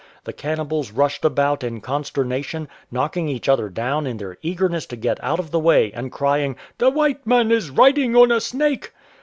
The cannibals rushed about in consternation, knocking each other down in their eager ness to get out of the way, and crying, " The white man is riding on a snake.""